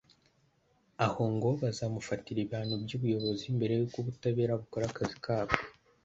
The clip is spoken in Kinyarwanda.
aho ngo bazamufatira ibihano by’ubuyobozi mbere y’uko ubutabera bukora akazi kabwo